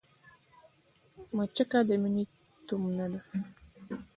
مچکه د مينې تومنه ده